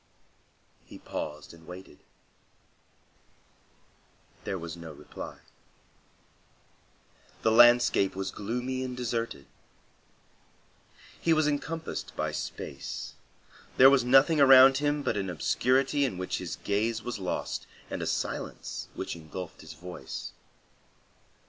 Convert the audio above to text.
He paused and waited. There was no reply. The landscape was gloomy and deserted. He was encompassed by space. There was nothing around him but an obscurity in which his gaze was lost, and a silence which engulfed his voice.